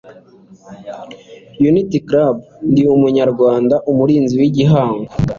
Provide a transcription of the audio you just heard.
Unity Club Ndi umunyarwanda Umurinzi w Igihango